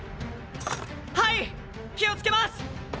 はい気をつけます！